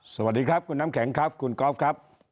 สวัสดีครับคุณน้ำแข็งครับคุณกอล์ฟครับ